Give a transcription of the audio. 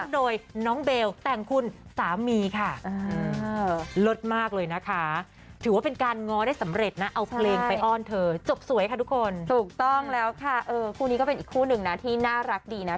ร้องโดยน้องเบล